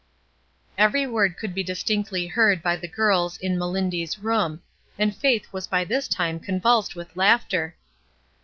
Every word could be distinctly heard by the girls in " Melindy's room," and Faith was by this time convulsed with laughter.